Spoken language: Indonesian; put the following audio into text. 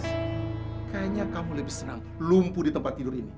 kayaknya kamu lebih senang lumpuh di tempat tidur ini